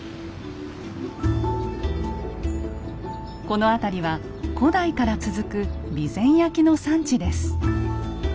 この辺りは古代から続く備前焼の産地です。